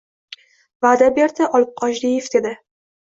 Va`daberdi Olibqochdiev dedi